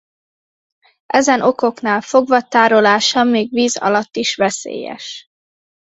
Ezen okoknál fogva tárolása még víz alatt is veszélyes.